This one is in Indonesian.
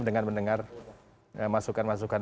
dengan mendengar masukan masukan